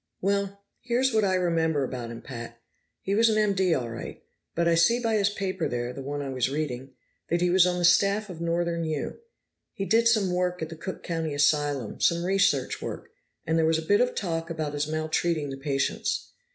"Well, here's what I remember about him, Pat. He was an M.D., all right, but I see by his paper there the one I was reading that he was on the staff of Northern U. He did some work at the Cook County Asylum, some research work, and there was a bit of talk about his maltreating the patients.